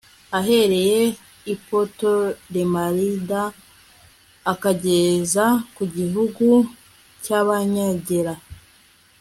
ahereye i putolemayida akageza ku gihugu cy'abanyagera